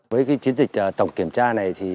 với chiến dịch tổng kiểm tra này